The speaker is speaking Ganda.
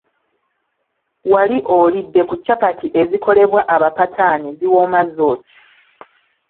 Wali olidde ku capati ezikolebwa Abapataani ziwooma zookya.